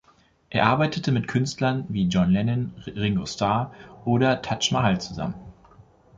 Er arbeitete mit Künstlern wie John Lennon, Ringo Starr oder Taj Mahal zusammen.